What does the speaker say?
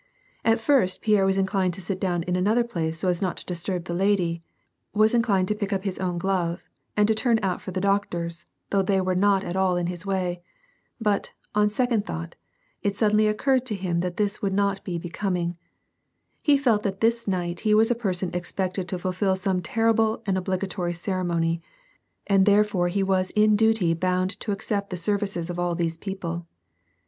At first, Pierre was inclined to sit down in another place so as not to disturb tbe lady, was inclined to pick up his own glove, and to turn out for the doctors, though they were not at all in his way ; but, on second thought, it suddenly occurred to him that this would not be becoming; he felt that this night he was a person expected to fulfil some terrible and obli gatory ceremony, and therefore he was in duty bound to accept the services of all these peoj)le.